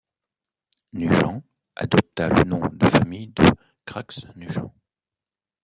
Nugent adopta le nom de famille de Craggs-Nugent.